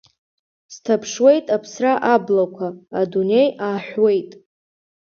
Сҭаԥшуеит аԥсра аблақәа, адунеи ааҳәуеит.